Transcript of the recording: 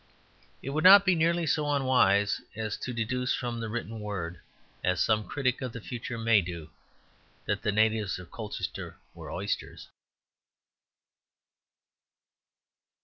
It would not be nearly so unwise as to deduce from the written word, as some critic of the future may do, that the natives of Colchester were oysters.